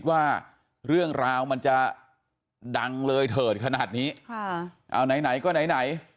ว่าเรื่องราวมันจะดังเลยเถิดขนาดนี้ค่ะเอาไหนไหนก็ไหนไหน